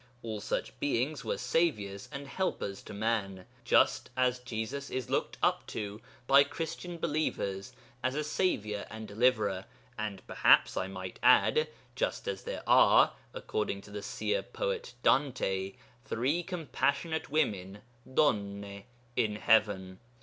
All such Beings were saviours and helpers to man, just as Jesus is looked up to by Christian believers as a saviour and deliverer, and perhaps I might add, just as there are, according to the seer poet Dante, three compassionate women (donne) in heaven.